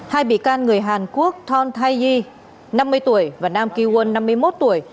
hai bị can người hàn quốc thon tai yi năm mươi tuổi và nam ki won năm mươi một tuổi